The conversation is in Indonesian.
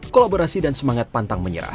kolaborasi dan semangat pantang menyerah